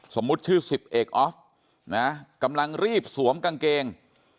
สมมุติชื่อสิบเอกออฟนะกำลังรีบสวมกางเกง